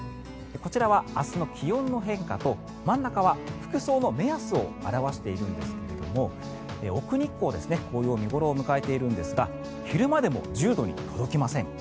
こちらは明日の気温の変化と真ん中は服装の目安を表しているんですが奥日光紅葉が見頃を迎えているんですが昼間でも１０度に届きません。